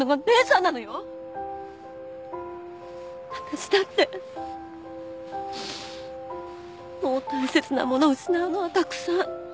私だってもう大切なもの失うのはたくさん。